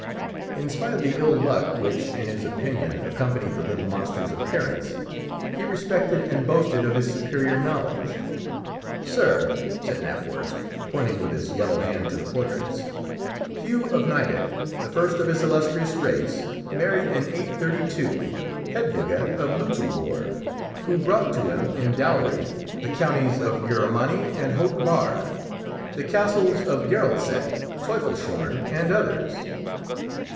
In spite of the ill luck which, in his opinion, accompanied the little monster's appearance, he respected and boasted of his superior knowledge. "Sir," said Knapwurst, pointing with his yellow hand to the portraits, "Hugh of Nideck, the first of his illustrious race, married, in 832, Hedwige of Lutzelbourg, who brought to him in dowry the counties of Giromani and Haut Barr, the castles of Geroldseck, Teufelshorn, and others.